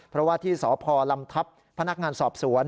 เพราะว่าที่สพลำทัพพนักงานสอบสวน